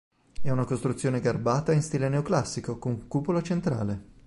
È una costruzione garbata in stile neoclassico, con cupola centrale.